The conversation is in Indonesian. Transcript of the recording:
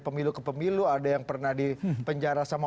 pemilu ke pemilu ada yang pernah di penjara sama